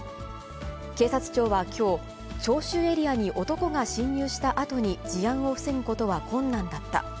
警察庁はきょう、聴衆エリアに男が侵入したあとに、事案を防ぐことは困難だった。